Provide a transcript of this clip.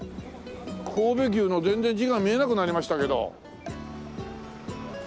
神戸牛の全然字が見えなくなりましたけど。